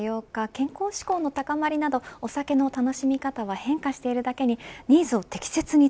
健康志向の高まりなどお酒の楽しみ方は変化しているだけに